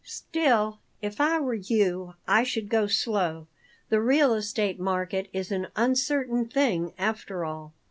"Still, if I were you, I should go slow. The real estate market is an uncertain thing, after all."